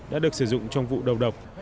đã được sử dụng trong vụ đầu độc